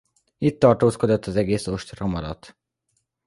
Itt tartózkodott az egész ostrom alatt.